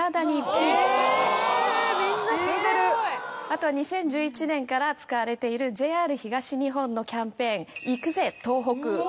あとは２０１１年から使われているＪＲ東日本のキャンペーン。